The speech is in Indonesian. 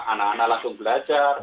anak anak langsung belajar